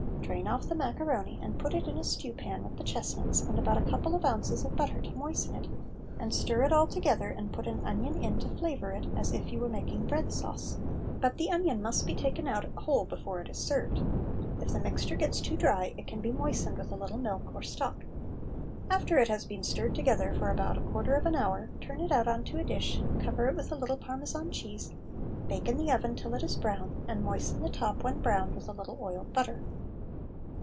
Drain off the macaroni and put it in a stew pan with the chestnuts and about a couple of ounces of butter to moisten it, and stir it all together and put an onion in to flavour it as if you were making bread sauce; but the onion must be taken out whole before it is served. If the mixture gets too dry, it can be moistened with a little milk or stock. After it has been stirred together for about a quarter of an hour, turn it out on to a dish, cover it with a little Parmesan cheese, bake in the oven till it is brown, and moisten the top when browned with a little oiled butter.